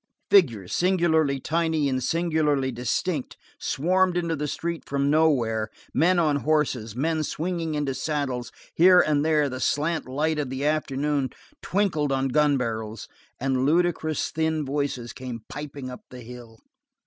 Figures, singularly tiny and singularly distinct, swarmed into the street from nowhere, men on horses, men swinging into saddles; here and there the slant light of the afternoon twinkled on gun barrels, and ludicrous thin voices came piping up the hill.